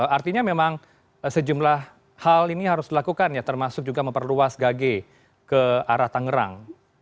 artinya memang sejumlah hal ini harus dilakukan ya termasuk juga memperluas gage ke arah tangerang